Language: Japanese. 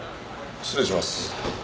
失礼します。